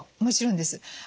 もちろんです。